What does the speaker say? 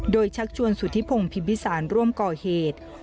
โดยชักชวนสุธิพงศ์พิมพิสารร่วมก่อเหตุ